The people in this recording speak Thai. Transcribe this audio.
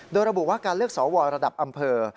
โดยระบุว่าการเลือกสวระดับอำเภอ